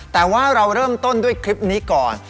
แต่ว่าเราเริ่มต้นด้วยคลิปนี้ก่อน